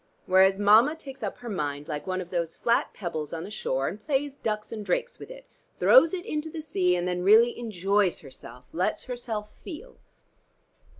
Whereas Mama takes up her mind like one of those flat pebbles on the shore and plays ducks and drakes with it, throws it into the sea, and then really enjoys herself, lets herself feel.